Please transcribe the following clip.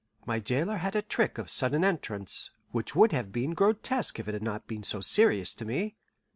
My jailer had a trick of sudden entrance, which would have been grotesque if it had not been so serious to me.